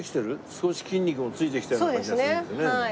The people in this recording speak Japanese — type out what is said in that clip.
少し筋肉もついてきたような感じがするんだよね。